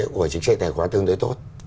của chính sách tài khoá tương đối tốt